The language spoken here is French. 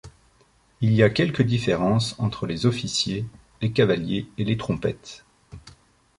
Il y a quelques différences entre les officiers, les cavaliers et les trompettes.